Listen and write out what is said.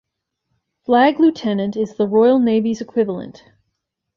Flag lieutenant is the Royal Navy's equivalent.